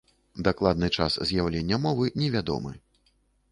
Дакладны час з'яўлення мовы невядомы.